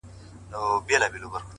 اراده د ستونزو دروازې پرانیزي,